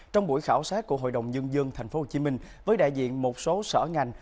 trong buổi khảo sát của hội đồng nhân dân tp hcm với đại diện một số sở ngành